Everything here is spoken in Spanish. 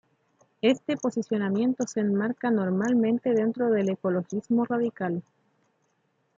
Este posicionamiento se enmarca normalmente dentro del ecologismo radical.